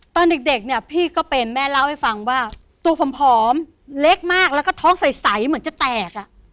ตอนเด็กเนี่ยพี่ก็เป็นแม่เล่าให้ฟังว่าตัวผอมเล็กมากแล้วก็ท้องใสเหมือนจะแตก